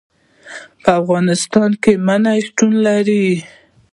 په افغانستان کې منی شتون لري.